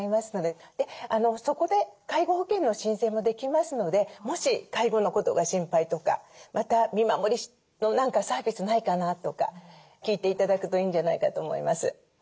そこで介護保険の申請もできますのでもし介護のことが心配とかまた見守りの何かサービスないかなとか聞いて頂くといいんじゃないかと思います。